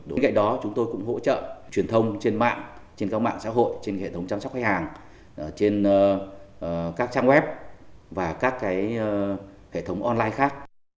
đối với cái đó chúng tôi cũng hỗ trợ truyền thông trên mạng trên các mạng xã hội trên hệ thống chăm sóc khách hàng trên các trang web và các cái hệ thống online khác